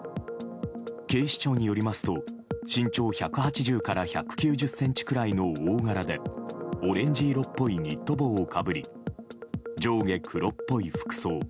警視庁によりますと身長１８０から１９０ｃｍくらいの大柄でオレンジ色っぽいニット帽をかぶり、上下黒っぽい服装。